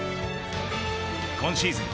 今シーズン